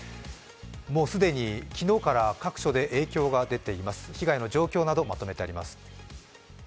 もう既に昨日から各所で影響が出ています、被害の状況などをまとめてあります。